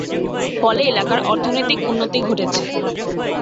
ফলে এলাকার অর্থনৈতিক উন্নতি ঘটেছে।